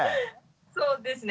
そうですね。